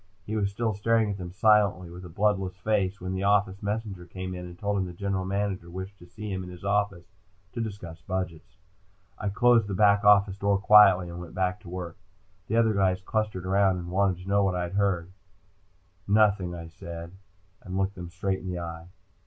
He was still staring at them silently, with a bloodless face, when the office messenger came in and told him the General Manager wished to see him in his office to discuss budgets. I closed the back office door quietly and went back to work. The other guys clustered around and wanted to know what I heard. "Nothing," I said, and looked them straight in the eye.